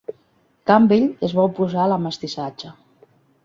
Campbell es va oposar a la mestissatge.